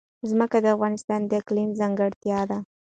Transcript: ځمکه د افغانستان د اقلیم ځانګړتیا ده.